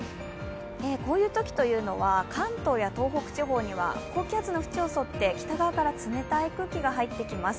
こういうときは、関東や東北地方には高気圧の縁を沿って北側から冷たい空気が入ってきます。